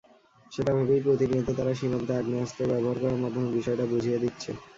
সেটা ভেবেই প্রতিনিয়ত তারা সীমান্তে আগ্নেয়াস্ত্র ব্যবহার করার মাধ্যমে বিষয়টা বুঝিয়ে দিচ্ছে।